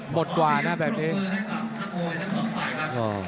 หมดกว่านะแบบนี้